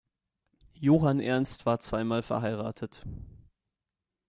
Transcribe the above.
Johann Ernst war zweimal verheiratet.